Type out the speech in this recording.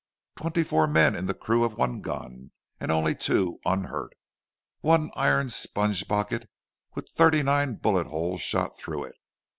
Twenty four men in the crew of one gun, and only two unhurt! One iron sponge bucket with thirty nine bullet holes shot through it!